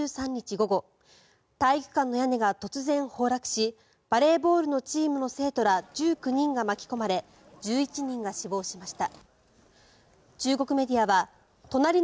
午後体育館の屋根が突然崩落しバレーボールのチームの生徒ら１９人が巻き込まれ１１人が死亡しました。